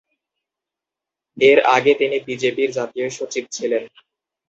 এর আগে তিনি বিজেপির জাতীয় সচিব ছিলেন।